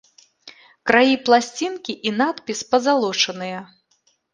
Краі пласцінкі і надпіс пазалочаныя.